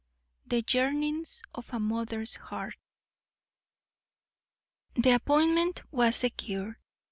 THE YEARNINGS OF A MOTHER'S HEART. The appointment was secured.